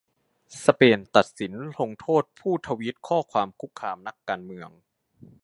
สเปนตัดสินลงโทษผู้ทวีตข้อความคุกคามนักการเมือง